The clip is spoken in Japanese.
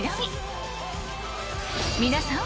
［皆さん